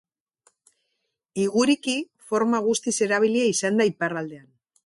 Iguriki forma guztiz erabilia izan da Iparraldean.